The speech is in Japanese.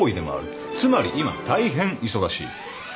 つまり今大変忙しい。